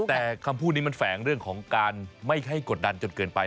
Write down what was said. แต่คำพูดนี้มันแฝงเรื่องของการไม่ให้กดดันจนเกินไป